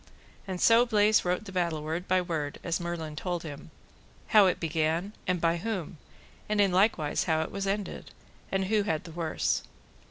And so Bleise wrote the battle word by word, as Merlin told him, how it began, and by whom, and in likewise how it was ended, and who had the worse.